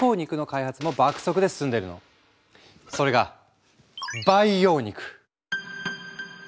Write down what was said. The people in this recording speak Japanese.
それが培養肉！